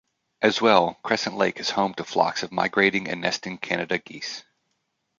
As well, Crescent Lake is home to flocks of migrating and nesting Canada geese.